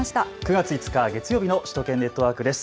９月５日月曜日の首都圏ネットワークです。